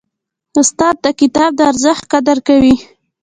استاد د کتاب د ارزښت قدر کوي.